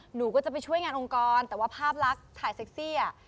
หนูก็จะไปช่วยงานองค์กรแต่ว่าภาพลักษณ์ถ่ายเซ็กซี่อ่ะ